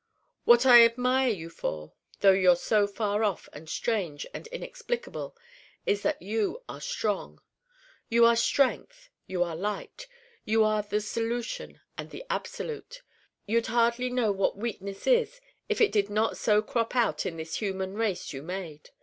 What I admire you for, though you're so far off and strange and inexplicable, is that you are strong. You are Strength, you are Light, you are the Solution and the Absolute. You'd hardly know what weakness is if it did not so crop out in this human race you made.